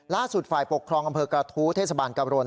ล่าสุดฝ่ายปกครองอำเภอกระทู้เทศบาลกับรณ์